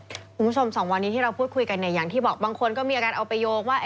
คุณผู้ชมสองวันนี้ที่เราพูดคุยกันเนี่ยอย่างที่บอกบางคนก็มีอาการเอาไปโยงว่า